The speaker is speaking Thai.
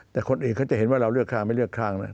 แต่คนอื่นเขาจะเห็นว่าเราเลือกคลางไม่เลือกคลางนะ